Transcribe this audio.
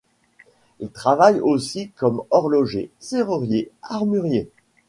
Il travaille aussi comme horloger, serrurier, armurier.